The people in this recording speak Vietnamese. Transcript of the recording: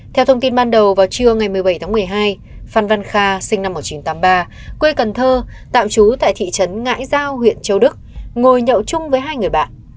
theo thông tin ban đầu vào trưa ngày một mươi bảy tháng một mươi hai phan văn kha sinh năm một nghìn chín trăm tám mươi ba quê cần thơ tạm trú tại thị trấn ngãi giao huyện châu đức ngồi nhậu chung với hai người bạn